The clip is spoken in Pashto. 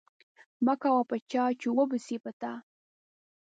مکوه په چا چی و به سی په تا